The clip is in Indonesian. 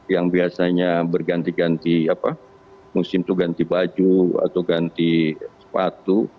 yang biasanya berganti ganti musim itu ganti baju atau ganti sepatu